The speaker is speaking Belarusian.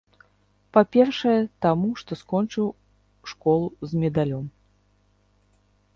Па-першае, таму, што скончыў школу з медалём.